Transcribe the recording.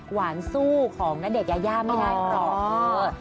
หวานสู้ของณเดชนยายาไม่ได้หรอก